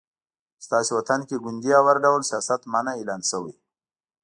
ستاسې وطن کې ګوندي او هر ډول سیاست منع اعلان شوی